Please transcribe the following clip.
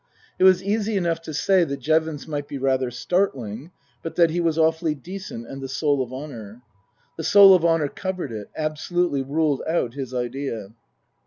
It was easy enough to say that Jevons might be rather startling, but that he was awfully decent and the soul of honour. The soul of honour covered it absolutely ruled out his idea.